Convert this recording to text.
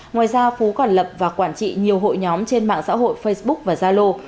ngoài ra phú còn lập và quản trị nhiều hội nhóm trên mạng xã hội facebook và zalo